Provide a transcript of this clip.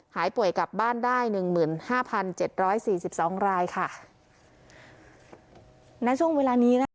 หายป่วยกลับบ้านได้หนึ่งหมื่นห้าพันเจ็ดร้อยสี่สิบสองรายค่ะณช่วงเวลานี้นะคะ